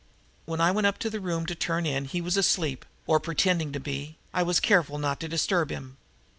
When I went up to the room to turn in he was asleep, or pretending to be, and I was careful not to disturb him.